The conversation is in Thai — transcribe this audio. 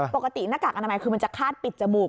ปกติหน้ากากอนามัยคือมันจะคาดปิดจมูก